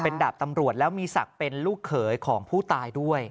ดาบตำรวจแล้วมีศักดิ์เป็นลูกเขยของผู้ตายด้วย